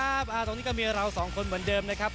ตรงนี้ก็มีเราสองคนเหมือนเดิมนะครับ